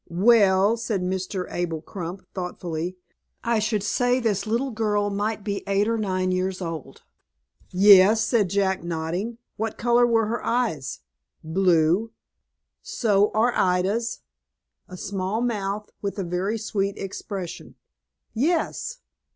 "Well," said Mr. Abel Crump, thoughtfully, "I should say this little girl might be eight or nine years old." "Yes," said Jack, nodding; "what color were her eyes?" "Blue." "So are Ida's." "A small mouth, with a very sweet expression." "Yes."